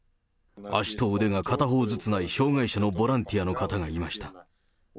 足と腕が片方ずつない障害者のボランティアの方がいました。